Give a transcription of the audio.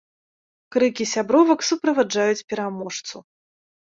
Крыкі сябровак суправаджаюць пераможцу.